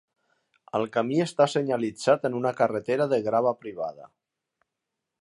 El camí està senyalitzat en una carretera de grava privada.